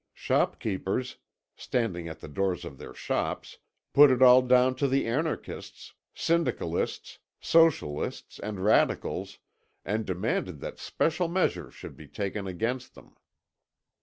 Shop keepers, standing at the doors of their shops, put it all down to the anarchists, syndicalists, socialists, and radicals, and demanded that special measures should be taken against them.